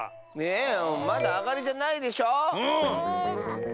ねえまだあがりじゃないでしょ？